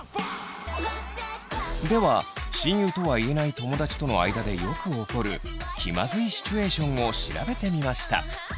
では親友とは言えない友だちとの間でよく起こる気まずいシチュエーションを調べてみました。